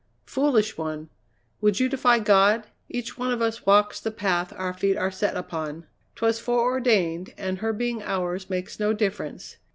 foolish one. Would you defy God? Each one of us walks the path our feet are set upon. 'Twas fore ordained and her being ours makes no difference.